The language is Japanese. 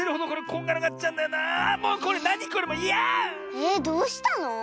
えっどうしたの？